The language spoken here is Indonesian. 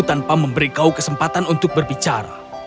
tanpa memberi kau kesempatan untuk berbicara